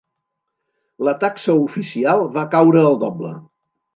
La taxa oficial va caure el doble.